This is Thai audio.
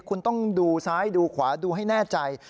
คุณต้องดูซ้ายดูขวาดูให้แน่ใจ